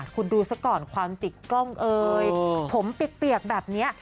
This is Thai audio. คุณดูซะก่อนความจิกกล้องเอ่ยผมเปียกแบบนี้